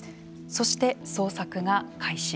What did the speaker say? そして、捜索が開始。